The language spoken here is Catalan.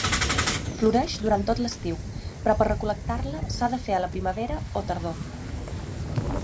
Floreix durant tot l'estiu, però per recol·lectar-la s'ha de fer a la primavera o tardor.